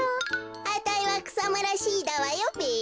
あたいはくさむらＣだわよべ。